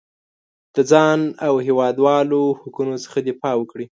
د ځان او هېوادوالو حقونو څخه دفاع وکړي.